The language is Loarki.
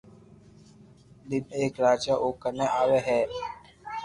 دن ايڪ راجا او ڪني آوي ھي